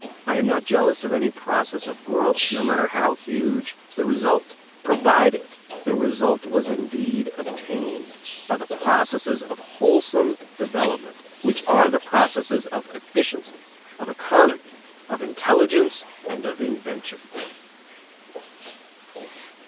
I am not jealous of any process of growth, no matter how huge the result, provided the result was indeed obtained by the processes of wholesome development, which are the processes of efficiency, of economy, of intelligence, and of invention.